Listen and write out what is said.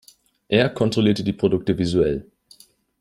Er kontrollierte die Produkte visuell.